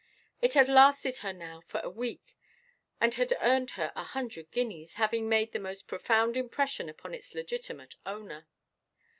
It had lasted her now for a week, and had earned her a hundred guineas, having made the most profound impression upon its legitimate owner.